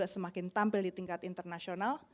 semakin tampil di tingkat internasional